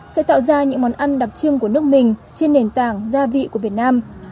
sẽ tạo ra những món ăn đặc trưng của nước mình trên nền tảng gia vị của việt nam